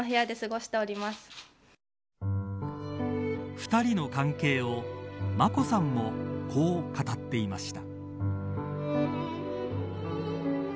２人の関係を眞子さんもこう語っていました。